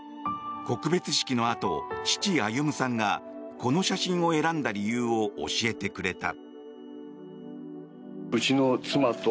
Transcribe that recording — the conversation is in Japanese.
告別式のあと、父・歩さんがこの写真を選んだ理由を教えてくれた。